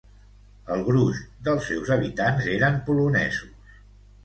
El gruix dels seus habitants eren polonesos.